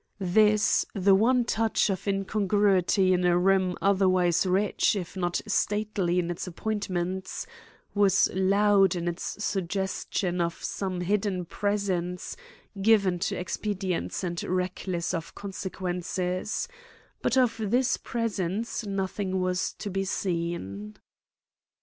This, the one touch of incongruity in a room otherwise rich if not stately in its appointments, was loud in its suggestion of some hidden presence given to expedients and reckless of consequences; but of this presence nothing was to be seen.